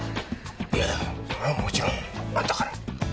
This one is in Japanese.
いやぁそれはもちろんあんたから。ね？